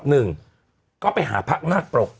หนึ่งก็ไปหาพระนาคปรก